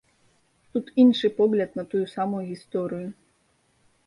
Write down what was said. Тут іншы погляд на тую самую гісторыю.